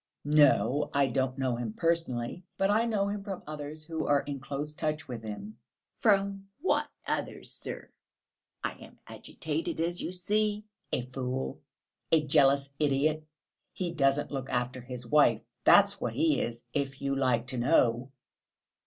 "No, I don't know him personally, but I know him from others who are in close touch with him." "From what others, sir? I am agitated, as you see...." "A fool! A jealous idiot! He doesn't look after his wife! That's what he is, if you like to know!"